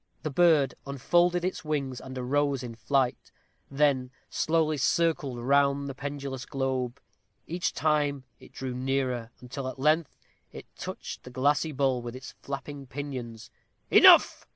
The bird unfolded its wings, and arose in flight; then slowly circled round the pendulous globe. Each time it drew nearer, until at length it touched the glassy bowl with its flapping pinions. "Enough!"